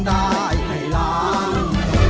ร้องได้ให้ร้อง